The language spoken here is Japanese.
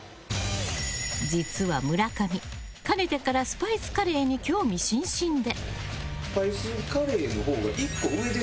実は村上、かねてからスパイスカレーに興味津々で。